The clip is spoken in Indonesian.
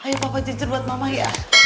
ayo pokoknya jujur buat mama ya